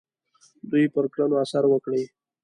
دوی پر کړنو اثر وکړي.